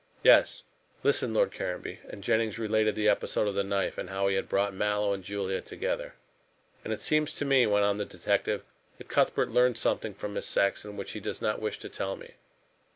"Yes. Listen, Lord Caranby," and Jennings related the episode of the knife, and how he had brought Mallow and Juliet together. "And it seems to me," went on the detective, "that Cuthbert learned something from Miss Saxon which he does not wish to tell me."